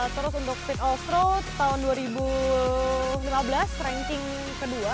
terus untuk speed offroad tahun dua ribu lima belas ranking kedua